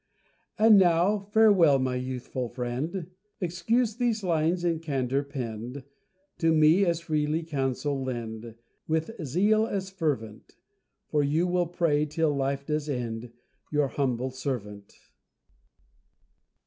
And now farewell, my youthful friend Excuse these lines, in candour penned; To me as freely counsel lend, With zeal as fervent For you will pray, till life does end, Your humble servant.